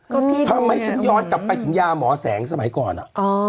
ก็มีตรงเนี้ยทำไมฉันยอดกลับไปถึงยาหมอแสงสมัยก่อนอ่ะ